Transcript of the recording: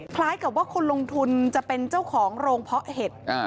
คล้ายกับว่าคนลงทุนจะเป็นเจ้าของโรงเพาะเห็ด